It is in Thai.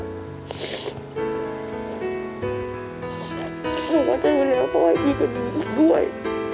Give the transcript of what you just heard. หนูก็เจอแล้วพ่อให้ดีกว่านี้ด้วย